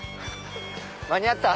間に合った？